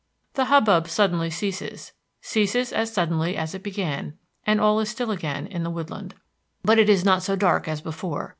The hubbub suddenly ceases, ceases as suddenly as it began, and all is still again in the woodland. But it is not so dark as before.